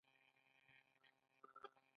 دوی په غزني کې د حکومت بنسټ کېښود.